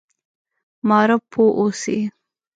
معارف پوه اوسي.